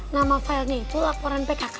nama fally itu laporan pkk